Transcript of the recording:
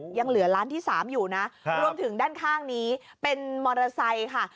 ยังเหลือล้านที่๓อยู่นะรวมถึงด้านข้างนี้เป็นมอเตอร์ไซค์ค่ะ